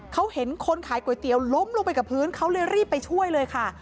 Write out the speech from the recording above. เขาเห็นคนขายก๋วยเตี๋ยวล้มลงไปกับพื้นเขาเลยรีบไปช่วยเลยค่ะ